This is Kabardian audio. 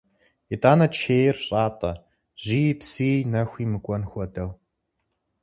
ИтӀанэ чейр щӀатӀэ жьыи, псыи, нэхуи мыкӀуэн хуэдэу.